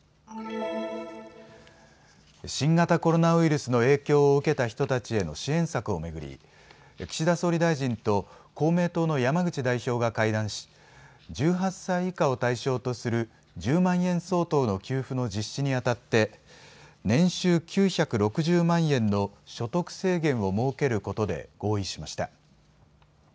新型コロナウイルスの影響を受けた人たちへの支援策を巡り岸田総理大臣と公明党の山口代表が会談し１８歳以下を対象とする１０万円相当の給付の実施にあたって年収９６０万円の所得制限を設けることで合意しました。